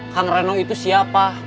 kang renom itu siapa